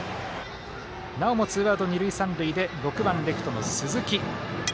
なおもツーアウト、二塁三塁で６番レフトの鈴木。